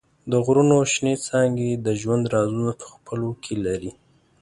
د غرونو شنېڅانګې د ژوند رازونه په خپلو کې لري.